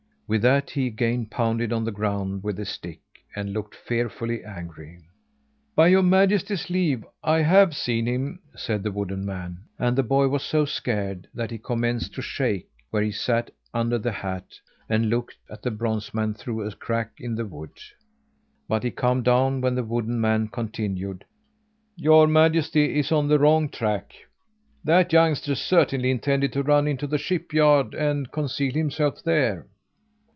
With that, he again pounded on the ground with his stick, and looked fearfully angry. "By Your Majesty's leave, I have seen him," said the wooden man; and the boy was so scared that he commenced to shake where he sat under the hat and looked at the bronze man through a crack in the wood. But he calmed down when the wooden man continued: "Your Majesty is on the wrong track. That youngster certainly intended to run into the shipyard, and conceal himself there."